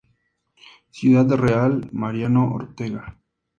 Ciudad Real, Mariano Ortega.